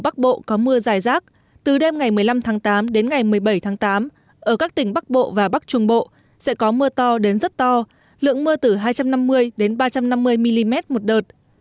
bắc bộ có mưa dài rác từ đêm ngày một mươi năm tháng tám đến ngày một mươi bảy tháng tám ở các tỉnh bắc bộ và bắc trung bộ sẽ có mưa to đến rất to lượng mưa từ hai trăm năm mươi đến ba trăm năm mươi mm một đợt